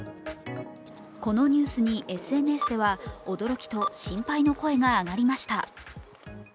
このニュースにＳＮＳでは驚きと心配の声が上がりました。